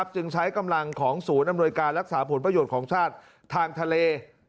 จึงใช้กำลังของศูนย์อำนวยการรักษาผลประโยชน์ของชาติทางทะเล